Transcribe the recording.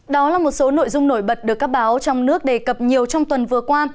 đó là một số nội dung nổi bật được các báo trong nước đề cập nhiều trong tuần vừa qua